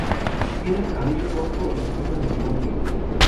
Tiene el cabello corto y sus ojos de color negro.